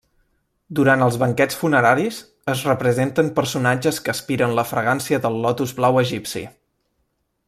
Durant els banquets funeraris, es representen personatges que aspiren la fragància del lotus blau egipci.